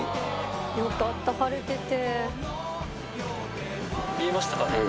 「よかった晴れてて」